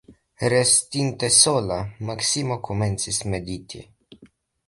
Restinte sola, Maksimo komencis mediti.